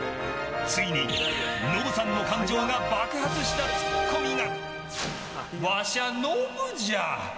ついにノブさんの感情が爆発したツッコミが。